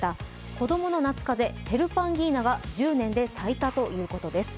子供の夏風邪、ヘルパンギーナが１０年で最多ということです。